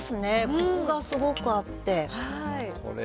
こくがすごくあって。